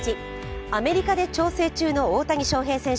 アメリカで調整中の大谷翔平選手。